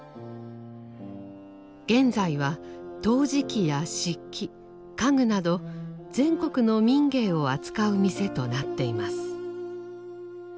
現在は陶磁器や漆器家具など全国の民藝を扱う店となっています。